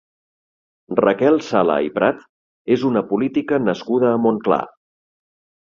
Raquel Sala i Prat és una política nascuda a Montclar.